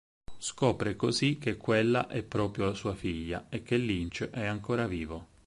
Scopre così che quella è proprio sua figlia e che Lynch è ancora vivo.